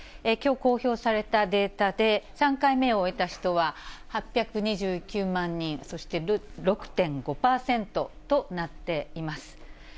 きょう公表されたデータで３回目を終えた人は８２９万人、そして６．５％となっています。